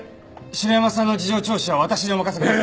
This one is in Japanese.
城山さんの事情聴取は私にお任せください。